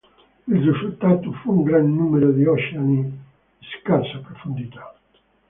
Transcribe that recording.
Il risultato fu un gran numero di oceani di scarsa profondità.